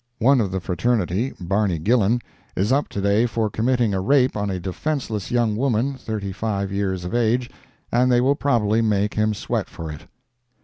One of the fraternity, Barney Gillan, is up to day for committing a rape on a defenceless young woman, thirty five years of age, and they will probably make him sweat for it.